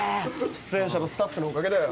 出演者とスタッフのおかげだよ。